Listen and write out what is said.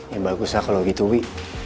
ya bagus lah kalau gitu wi